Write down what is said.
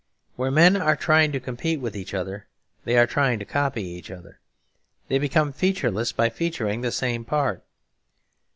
Where men are trying to compete with each other they are trying to copy each other. They become featureless by 'featuring' the same part.